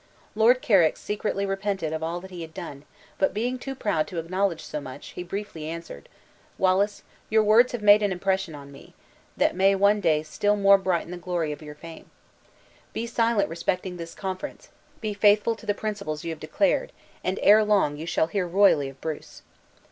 Lord Carrick secretly repented of all that he had done; but being too proud to acknowledge so much, he briefly answered: "Wallace, your words have made an impression on me, that may one day still more brighten the glory of your fame. Be silent respecting this conference; be faithful to the principles you have declared, and ere long you shall hear royally of Bruce."